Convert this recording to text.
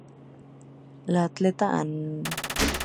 La aleta anal es muy alargada.